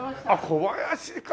小林か！